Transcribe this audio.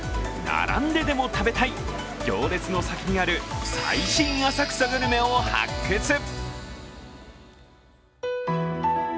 並んででも食べたい行列の先にある浅草の新名物を探せ！